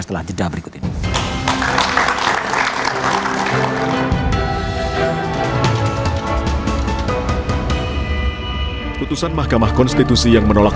setelah jeda berikut ini